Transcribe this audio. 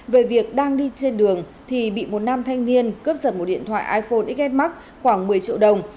về việc đang đi trên đường thì bị một nam thanh niên cướp giật một điện thoại iphone xs max khoảng một mươi triệu đồng